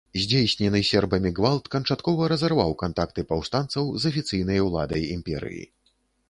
Здзейснены сербамі гвалт канчаткова разарваў кантакты паўстанцаў з афіцыйнай уладай імперыі.